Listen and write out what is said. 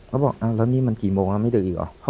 เขาบอกแล้วนี่มันกี่โมงแล้วไม่ดึกอีกเหรอ